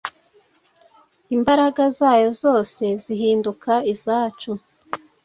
imbaraga zayo zose zihinduka izacu.